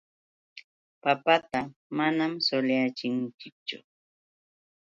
Papata manam suliyachinchikchu.